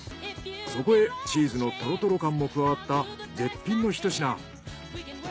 そこへチーズのとろとろ感も加わった絶品のひと品。